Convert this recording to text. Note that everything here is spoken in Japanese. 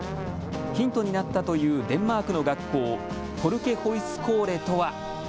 ヒントになったというデンマークの学校、フォルケホイスコーレとは。